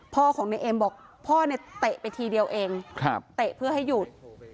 พ่อของในเอ็มบอกพ่อเนี่ยเตะไปทีเดียวเองเตะเพื่อให้หยุด